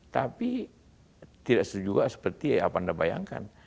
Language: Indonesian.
tapi tidak sejuk seperti apa anda bayangkan